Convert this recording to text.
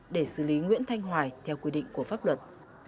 để xử lý nguyễn thanh hoài theo quy định của pháp luật